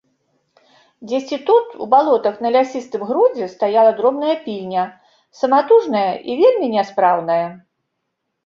Дзесьці тут, у балотах, на лясістым грудзе стаяла дробная пільня, саматужная і вельмі няспраўная.